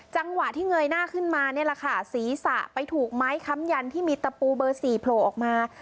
จังหวะที่เงยหน้าขึ้นมานี่แหละค่ะศีรษะไปถูกไม้ค้ำยันที่มีตะปูเบอร์สี่โผล่ออกมา